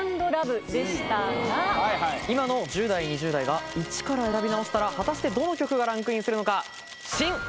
今の１０代２０代がイチから選び直したら果たしてどの曲がランクインするのか？